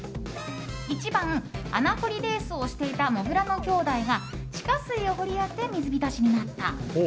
１番、穴掘りレースをしていたモグラの兄弟が地下水を掘り当て水浸しになった。